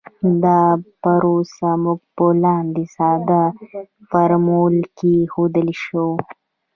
دا پروسه موږ په لاندې ساده فورمول کې ښودلی شو